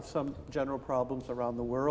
dan membahas masalah umum di seluruh dunia